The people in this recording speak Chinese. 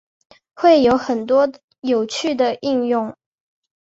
会有很多有趣的应用